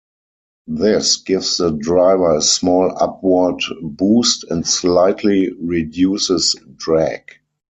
This gives the driver a small upward boost and slightly reduces drag.